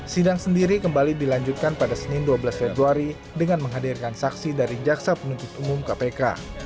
sidang sendiri kembali dilanjutkan pada senin dua belas februari dengan menghadirkan saksi dari jaksa penuntut umum kpk